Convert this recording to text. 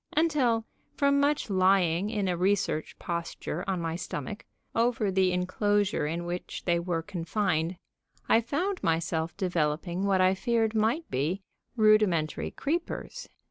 until, from much lying in a research posture on my stomach, over the inclosure in which they were confined, I found myself developing what I feared might be rudimentary creepers.